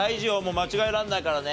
間違えられないからね。